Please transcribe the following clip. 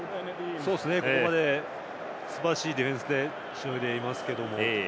ここまですばらしいディフェンスでしのいでいますけども。